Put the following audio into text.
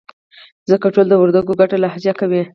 ځکه ټول د وردگو گډه لهجه کوي.